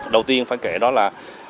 đầu tiên phải kể đó là